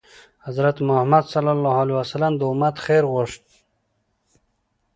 حضرت محمد ﷺ د امت خیر غوښت.